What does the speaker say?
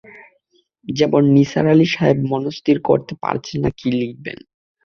যেন নিসার আলি সাহেব মনস্থির করতে পারছেন না কী লিখবেন।